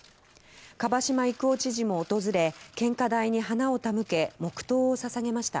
蒲島郁夫知事も訪れ献花台に花を手向け黙祷を捧げました。